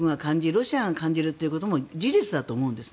ロシアが感じるということも事実だと思うんです。